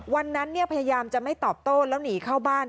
พยายามจะไม่ตอบโต้แล้วหนีเข้าบ้าน